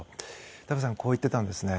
高橋さんはこう言ってたんですね。